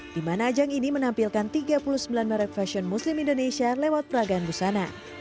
di mana ajang ini menampilkan tiga puluh sembilan merek fashion muslim indonesia lewat peragaan busana